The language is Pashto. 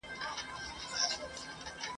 شاعره ویښ یې کنه..